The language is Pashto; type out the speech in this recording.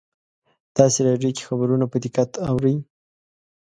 تاسې راډیو کې خبرونه په دقت اورئ